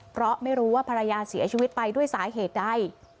เพราะไม่รู้ว่าภรรยาเสียชีวิตไปด้วยสาเหตุใด